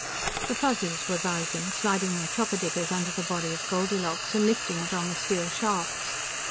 The Fuzzies were rising, sliding their chopper diggers under the body of Goldilocks and lifting it on the steel shafts.